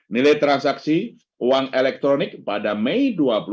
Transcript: nilai transaksi uang elektronik pada mei dua ribu dua puluh